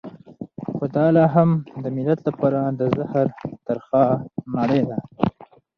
خو دا لا هم د ملت لپاره د زهر ترخه مړۍ ده.